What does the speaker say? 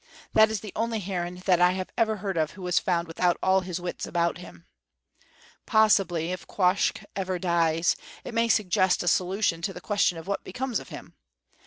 That is the only heron that I have ever heard of who was found without all his wits about him. Possibly, if Quoskh ever dies, it may suggest a solution to the question of what becomes of him.